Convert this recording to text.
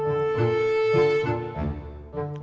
ya udah aku tunggu